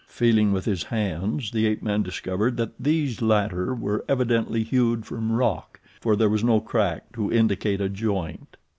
Feeling with his hands, the ape man discovered that these latter were evidently hewed from rock, for there was no crack to indicate a joint.